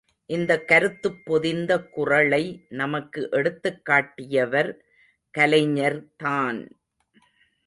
இந்தக் கருத்துப் பொதிந்த குறளை நமக்கு எடுத்துக்காட்டியவர் கலைஞர் தான்!